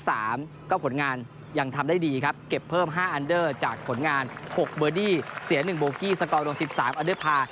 แล้วผลงานยังทำได้ดีครับเก็บเพิ่ม๕อันเดอร์จากผลงาน๖บอร์ดี้เสีย๑โบรกี้สก๑๓อเดิภา